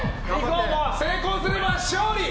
成功すれば勝利！